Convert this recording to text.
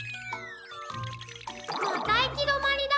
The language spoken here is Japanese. またいきどまりだ。